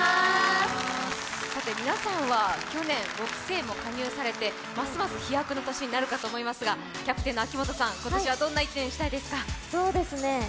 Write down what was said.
皆さんは、去年５期生も加入されて、ますます飛躍の年になるかと思いますがキャプテンの秋元さん、今年はどんな１年にしたいですか？